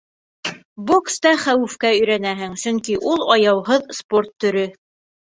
Бокста хәүефкә өйрәнәһең, сөнки ул — аяуһыҙ спорт төрө.